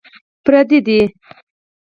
پردي دي.